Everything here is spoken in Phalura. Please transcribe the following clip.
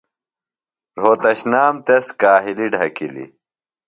رھوتشنام تس کاہِلیۡ ڈھکِلیۡ۔